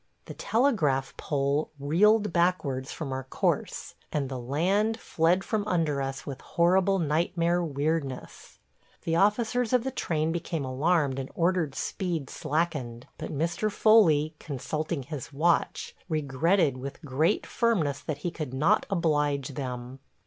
The telegraph pole reeled backwards from our course and the land fled from under us with horrible nightmare weirdness. The officers of the train became alarmed and ordered speed slackened; but Mr. Foley, consulting his watch, regretted with great firmness that he could not oblige them.